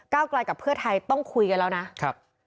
ก้ากลายกับเพื่อไทยต้องคุยกันแล้วนะ